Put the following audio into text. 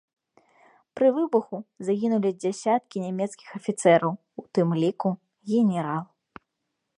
Пры выбуху загінулі дзясяткі нямецкіх афіцэраў, у тым ліку генерал.